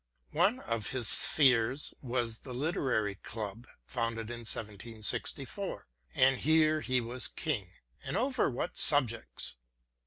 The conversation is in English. One of his spheres was the Literary Club, founded in 1764. And here he was king, and over what subjects